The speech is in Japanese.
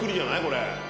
これ。